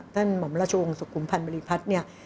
หม่อมราชวงศ์สุขุมพันธ์บริพัฒน์เนี่ย